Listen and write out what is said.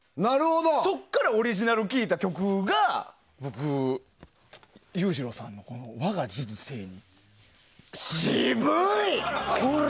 そこからオリジナル聴いた曲が僕、裕次郎さんの渋い！